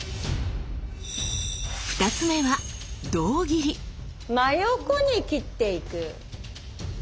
２つ目は真横に切っていく。